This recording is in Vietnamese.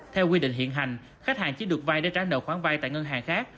theo quy định hiện hành khách hàng chỉ được vay để trả nợ khoản vay tại ngân hàng khác